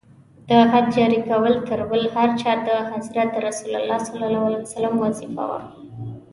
د حد جاري کول تر بل هر چا د حضرت رسول ص وظیفه وه.